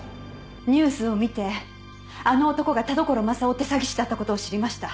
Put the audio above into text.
ニュースを見てあの男が田所柾雄って詐欺師だった事を知りました。